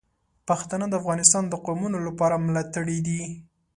پښتانه د افغانستان د قومونو لپاره ملاتړي دي.